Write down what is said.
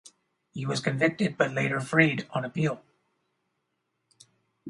He was convicted but later freed on appeal.